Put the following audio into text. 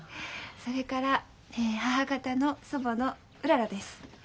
それから母方の祖母のうららです。